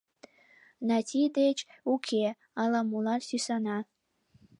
Нати деч — уке, ала-молан сӱсана.